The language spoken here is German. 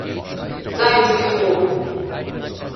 Seien Sie froh.